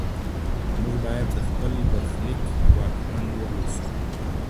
موږ باید د خپل برخلیک واکمن واوسو.